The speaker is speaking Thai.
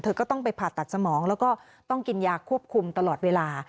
ก็ต้องไปผ่าตัดสมองแล้วก็ต้องกินยาควบคุมตลอดเวลา